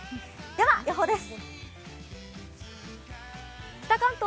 では予報です。